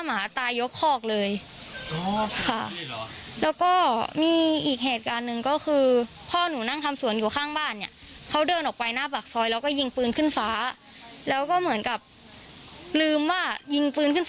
หลังหนูเกิดสักพักหนึ่ง